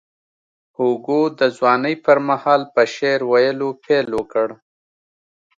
هوګو د ځوانۍ پر مهال په شعر ویلو پیل وکړ.